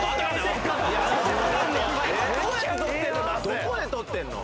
どこでとってるの？